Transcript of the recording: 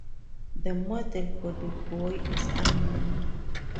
The model for the boy is unknown.